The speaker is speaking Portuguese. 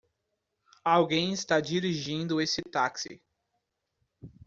Alguém está dirigindo esse táxi.